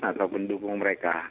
atau pendukung mereka